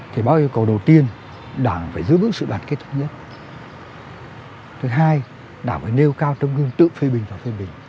thì bác yêu cầu đầu tiên đảng phải giữ vững sự đoàn kết thúc nhất